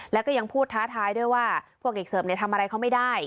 แล้วก็ยังพูดท้าทายด้วยว่าพวกเด็กเสิร์ฟทำอะไรเขาไม่ได้